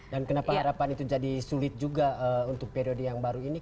dan kenapa harapan itu jadi sulit juga untuk periode yang baru ini